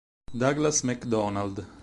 Douglas McDonald